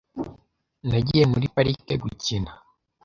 Nagiye muri parike gukina .